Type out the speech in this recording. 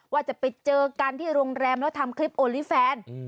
ว่าจะไปเจอกันที่โรงแรมแล้วทำคลิปโอลี่แฟน